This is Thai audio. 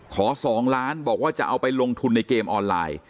๒ล้านบอกว่าจะเอาไปลงทุนในเกมออนไลน์